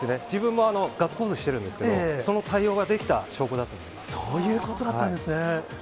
自分もガッツポーズしてるんですけど、その対応ができた証拠だとそういうことだったんですね。